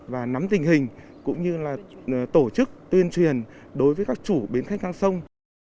và nắm tình hình cũng như tổ chức tuyên truyền đối với các chủ biến khách ngang sông